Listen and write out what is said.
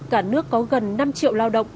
cả nước có gần năm triệu lao động